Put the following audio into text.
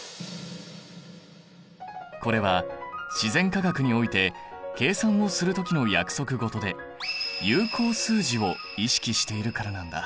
これは自然科学において計算をするときの約束事で有効数字を意識しているからなんだ。